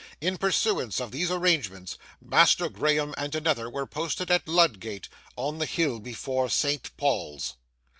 In pursuance of these arrangements, Master Graham and another were posted at Lud Gate, on the hill before St. Paul's.